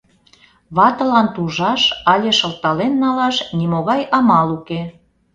Ватылан тужаш але шылтален налаш нимогай амал уке.